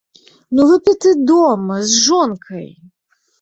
Ну выпі ты дома, з жонкай!